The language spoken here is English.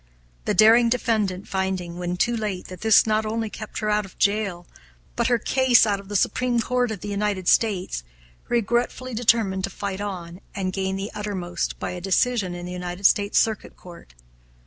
The daring defendant finding, when too late, that this not only kept her out of jail, but her case out of the Supreme Court of the United States, regretfully determined to fight on, and gain the uttermost by a decision in the United States Circuit Court.